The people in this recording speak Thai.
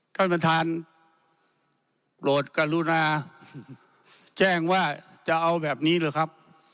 ท่านประธานโปรดกรุณาแจ้งว่าจะเอาแบบนี้หรือครับ